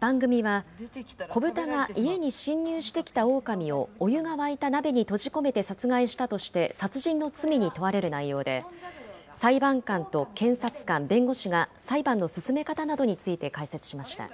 番組は、こぶたが家に侵入してきたオオカミを、お湯が沸いた鍋に閉じ込めて殺害したとして殺人の罪に問われる内容で、裁判官と検察官、弁護士が裁判の進め方などについて解説しました。